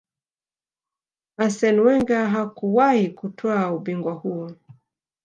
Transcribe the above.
Arsene Wenger hakuwahi kutwaa ubingwa huo